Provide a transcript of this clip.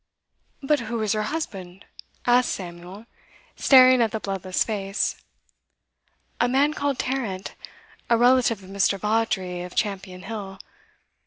'But who is her husband?' asked Samuel, staring at the bloodless face. 'A man called Tarrant, a relative of Mr. Vawdrey, of Champion Hill.